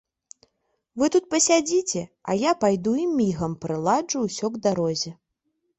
Вы тут пасядзіце, а я пайду і мігам прыладжу ўсё к дарозе.